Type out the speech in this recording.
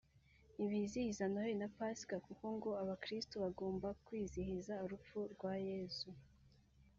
ntibizihiza Noheli na pasika kuko ngo abakristu bagomba kwizihiza urupfu rwa Yezu